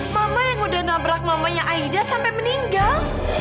mama yang udah nabrak mamanya aida sampai meninggal